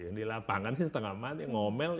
ini lapangan sih setengah mati ngomel